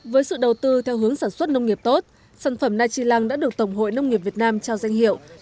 với sự đầu tư theo hướng sản xuất nông nghiệp tốt sản phẩm nachilang đã được tổng hội nông nghiệp việt nam trao danh hiệu